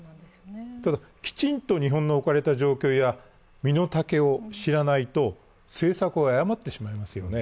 ただ、きちんと日本の置かれた状況や身の丈を知らないと政策を誤ってしまいますよね。